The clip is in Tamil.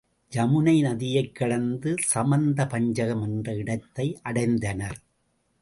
யமுனை நதியைக் கடந்து சமந்த பஞ்சகம் என்ற இடத்தை அடைந்தனர்.